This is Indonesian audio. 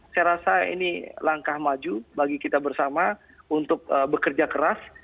saya rasa ini langkah maju bagi kita bersama untuk bekerja keras